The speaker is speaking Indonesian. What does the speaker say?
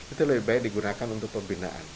itu lebih baik digunakan untuk pembinaan